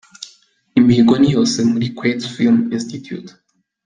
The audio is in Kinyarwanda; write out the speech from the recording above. Imihigo ni yose muri Kwetu Film Institute.